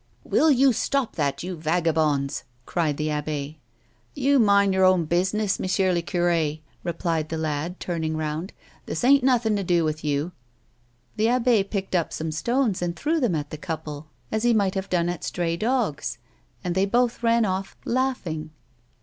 " Will you stop tlmt, you vagabonds 1 " cried the abbe. A WOMAN'S LIFE. 175 " You miud yer own bua'ness, M'sieu I'cure,' replied the lad, turning round. " This ain't nothin' to do with you." The abbe picked up some stones and threw them at the couple as he might have done at stray dogs, and they both ran off, laughing.